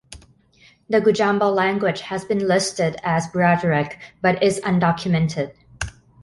The Gujambal language has been listed as Wiradhuric, but is undocumented.